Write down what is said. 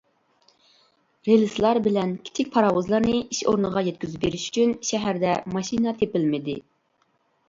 رېلىسلار بىلەن كىچىك پاراۋۇزلارنى ئىش ئورنىغا يەتكۈزۈپ بېرىش ئۈچۈن شەھەردە ماشىنا تېپىلمىدى.